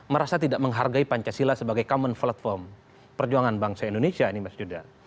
merasa tidak menghargai pancasila sebagai common platform perjuangan bangsa indonesia ini mas judan